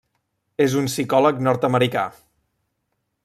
És un psicòleg nord-americà.